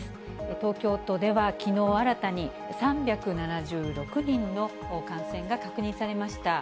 東京都ではきのう、新たに３７６人の感染が確認されました。